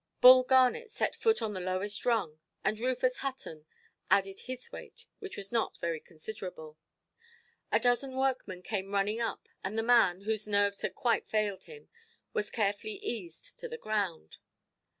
Bull Garnet set foot on the lowest rung, and Rufus Hutton added his weight, which was not very considerable. A dozen workmen came running up, and the man, whose nerves had quite failed him, was carefully eased to the ground.